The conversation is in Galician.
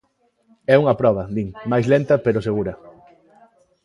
É unha proba, din, máis lenta, pero segura.